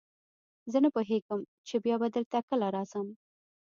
زه نه پوهېږم چې بیا به دلته کله راځم.